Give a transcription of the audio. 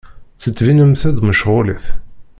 Ttettbinemt-d mecɣulit.